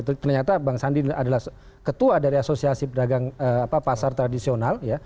ternyata bang sandi adalah ketua dari asosiasi pedagang pasar tradisional